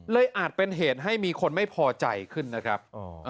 อาจเป็นเหตุให้มีคนไม่พอใจขึ้นนะครับ